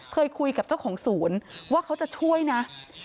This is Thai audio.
เคยคุยกับเจ้าของศูนย์ว่าเขาจะช่วยนะ